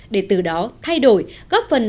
để từ đó thay đổi góp phần